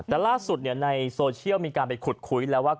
แต่ล่าสุดในโซเชียลมีการไปขุดคุยแล้วว่า